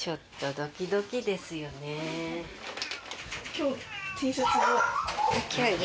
今日Ｔシャツが。